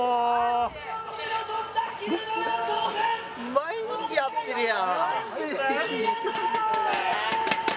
毎日やってるやん。